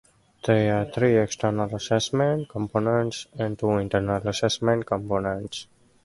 There are three external assessment components and two internal assessment components.